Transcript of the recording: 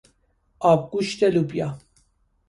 آبگوشت لوبیا